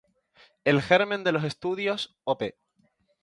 El germen de los "Estudios Op.